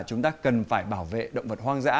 chúng ta cần phải bảo vệ động vật hoang dã